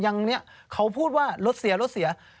อย่างนี้เขาพูดว่ารถเสียรถเสีย